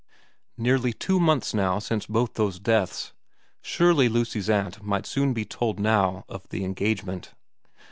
Nearly two months now since both those deaths ; surely Lucy's aunt might soon be told now of the engagement.